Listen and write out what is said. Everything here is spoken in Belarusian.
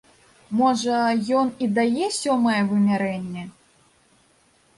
Можа, ён і дае сёмае вымярэнне?